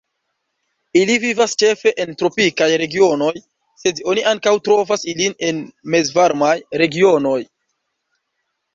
Ili vivas ĉefe en tropikaj regionoj, sed oni ankaŭ trovas ilin en mezvarmaj regionoj.